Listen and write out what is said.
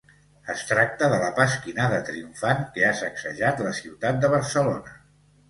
Es tracta de la pasquinada triomfant que ha sacsejat la ciutat de Barcelona.